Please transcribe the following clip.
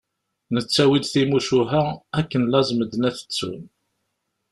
Nettawi-d timucuha, akken laẓ medden ad t-ttun.